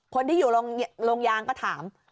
คนที่อยู่โรงยางก็ถาม